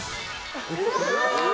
うわ！